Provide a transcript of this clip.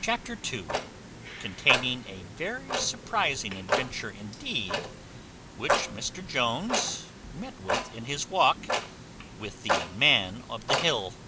Chapter ii. Containing a very surprizing adventure indeed, which Mr Jones met with in his walk with the Man of the Hill.